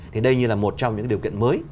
thì đây như là một trong những điều kiện mới